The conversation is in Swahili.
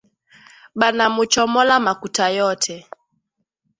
Banamuchomola makuta yote